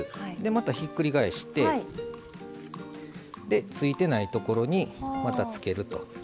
またひっくり返してついてないところにまたつけると。